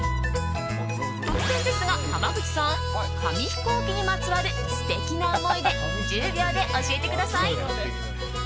突然ですが、濱口さん紙飛行機にまつわる素敵な思い出１０秒で教えてください！